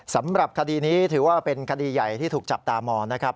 สำหรับคดีนี้ถือว่าเป็นคดีใหญ่ที่ถูกจับตามองนะครับ